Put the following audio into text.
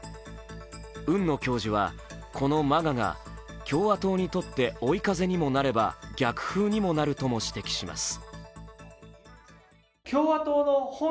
海野教授はこのＭＡＧＡが共和党にとって追い風にもなれば逆風にもなるとも指摘します。